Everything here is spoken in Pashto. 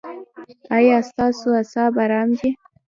ایا ستاسو اعصاب ارام دي؟